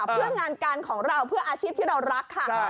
เพื่องานการของเราเพื่ออาชีพที่เรารักค่ะ